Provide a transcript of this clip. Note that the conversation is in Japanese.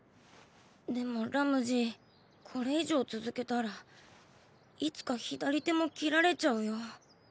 でもラムジーこれ以上続けたらいつか左手も切られちゃうよ。